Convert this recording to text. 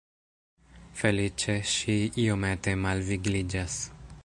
Feliĉe ŝi iomete malvigliĝas.